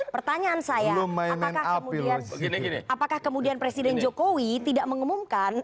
pertanyaan saya apakah kemudian presiden jokowi tidak mengumumkan